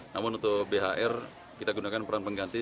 namun untuk bhr kita gunakan peran pengganti